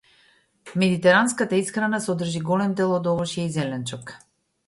Медитеранската исхрана содржи голем дел од овошје и зеленчук.